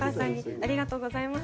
ありがとうございます。